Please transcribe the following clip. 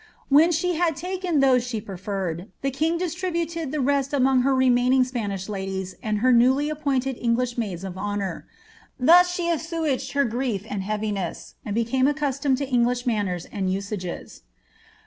When she had taken those she preferred, the king distnouted the rest among her remaining Spanish ladies and her newly appointed English maids of honour. Thus she assuaged her grief and heaviness, and became accustomed to English manners and usages.'